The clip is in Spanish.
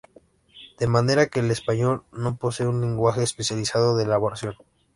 De manera que el español no posee un lenguaje especializado de elaboración.